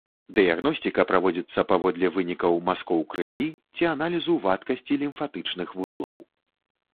Дыягностыка праводзіцца паводле вынікаў мазкоў крыві ці аналізу вадкасці лімфатычных вузлоў.